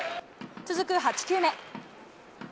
続く８球目。